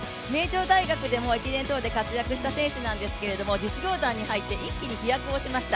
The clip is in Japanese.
大学でも駅伝等で活躍した選手なんですが、実業団に入って一気に飛躍しました。